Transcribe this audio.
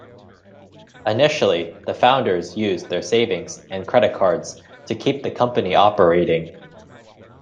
Initially, the founders used their savings and credit cards to keep the company operating.